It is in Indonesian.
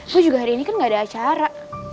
saya juga hari ini kan gak ada acara